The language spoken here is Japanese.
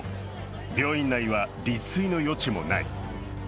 病院内は立すいの余地もない。